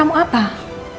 aku mau bicara sama mama